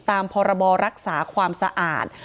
ตามพรบรักษาความสะอาด